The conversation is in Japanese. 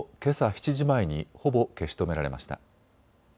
７時前にほぼ消し止められました。